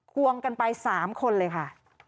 ควงกันไป๓คนเลยค่ะ